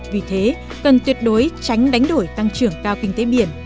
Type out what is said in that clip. vì thế cần tuyệt đối tránh đánh đổi tăng trưởng cao kinh tế biển